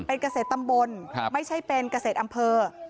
เป็นเกษตรตำบลไม่ใช่เป็นเกษตรอำเภอ